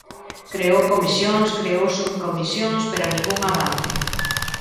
Creou comisións, creou subcomisións, pero ningún avance.